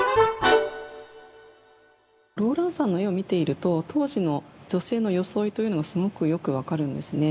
ローランサンの絵を見ていると当時の女性の装いというのがすごくよく分かるんですね。